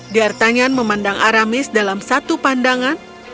diartanyan memandang aramis dalam satu pandangan